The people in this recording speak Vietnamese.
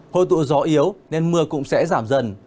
hồi tụ gió yếu nên mưa cũng sẽ giảm dần